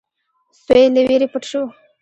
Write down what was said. سوی له وېرې پټ شو.